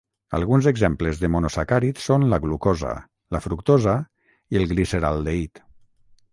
Alguns exemples de monosacàrids són la glucosa, la fructosa i el gliceraldehid.